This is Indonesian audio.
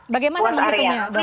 bagaimana menurutmu ya